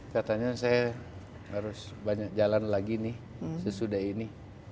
katanya saya harus banyak jalan lagi nih sesudah ini